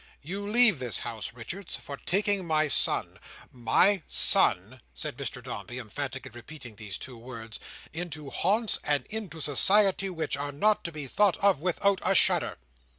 You leave this house, Richards, for taking my son—my son," said Mr Dombey, emphatically repeating these two words, "into haunts and into society which are not to be thought of without a shudder.